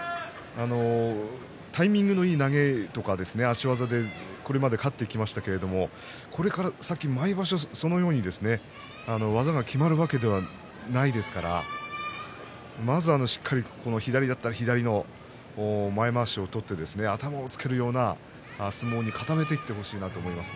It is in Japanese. タイミングのいい投げとか足技でこれまで勝ってきましたけどこれから先に毎場所そのように技がきまるわけではないですからまずしっかりと左だったら左の前まわしを取って頭をつけるような相撲を固めていってほしいなと思います。